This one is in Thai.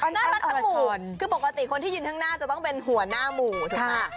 น่ารักทั้งหมู่คือปกติคนที่ยืนข้างหน้าจะต้องเป็นหัวหน้าหมู่ถูกไหม